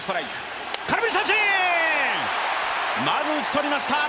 まず、打ち取りました。